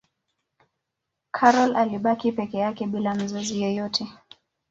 karol alibaki peke yake bila mzazi yeyote